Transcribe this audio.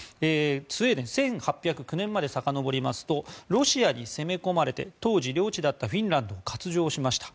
スウェーデン１８０９年までさかのぼりますとロシアに攻め込まれて当時、領地だったフィンランドを割譲しました。